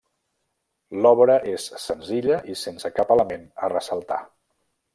L'obra és senzilla i sense cap element a ressaltar.